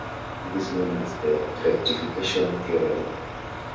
This is known as the rectification theorem.